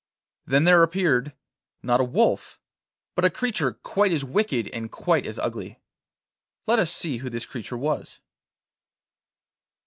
Then there appeared, not a wolf, but a creature quite as wicked and quite as ugly. Let us see who this creature was.